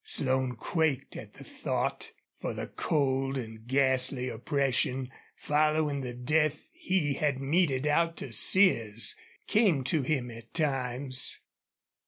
Slone quaked at the thought, for the cold and ghastly oppression following the death he had meted out to Sears came to him at times.